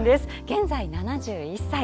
現在７１歳。